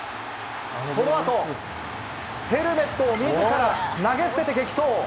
そのあと、ヘルメットをみずから投げ捨てて激走。